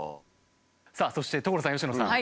さあそして所さん佳乃さん。